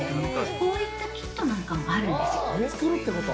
こういったキットなんかもあるんですよ。